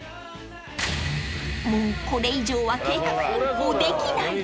［もうこれ以上は計画変更できない］